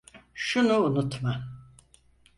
Şunu unutma: